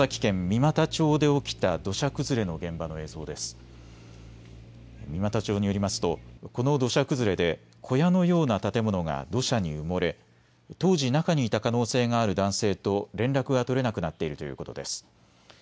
三股町によりますとこの土砂崩れで小屋のような建物が土砂に埋もれ、当時、中にいた可能性がある男性と連絡が取れなくなっているということです。